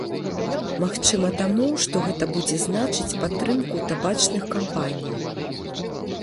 Магчыма, таму, што гэта будзе значыць падтрымку табачных кампаній.